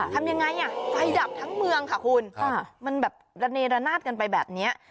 ทำยังไงไฟดักทั้งเมืองมันระเนรนาศกันไปแบบนี้